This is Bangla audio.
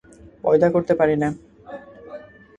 পয়দা করতে পারি না।